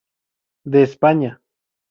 De España.